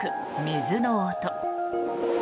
水の音。